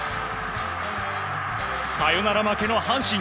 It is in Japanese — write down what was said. サヨナラ負けの阪神。